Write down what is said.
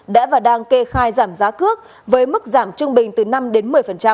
đã và đang kê khai giảm giá cước với mức giảm trung bình từ năm đến một mươi